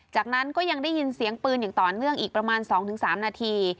จากนั้นก็ยังได้ยินเสียงปืนอย่างต่อเนื่องอีกประมาณ๒๓นาที